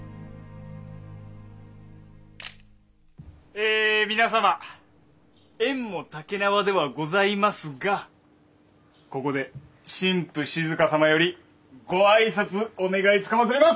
え皆様宴もたけなわではございますがここで新婦静様よりご挨拶お願いつかまつります！